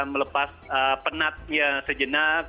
melepas penatnya sejenak